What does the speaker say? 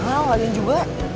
mahal lagi juga